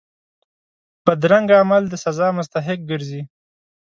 بدرنګه عمل د سزا مستحق ګرځي